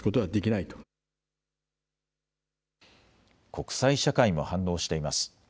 国際社会も反応しています。